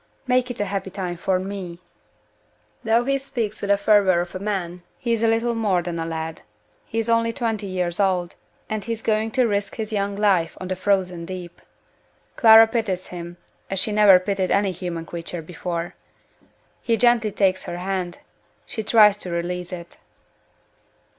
Make it a happy time for me." Though he speaks with the fervor of a man, he is little more than a lad: he is only twenty years old, and he is going to risk his young life on the frozen deep! Clara pities him as she never pitied any human creature before. He gently takes her hand. She tries to release it.